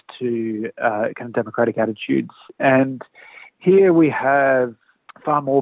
dan di sini kita memiliki lebih banyak orang yang berpikir